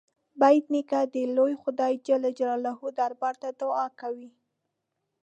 بېټ نیکه د لوی خدای جل جلاله دربار ته دعا کوي.